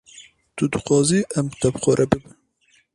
Tu dixwazî em te bi xwe re bibin?